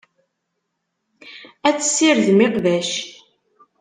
Ad tessirdem iqbac.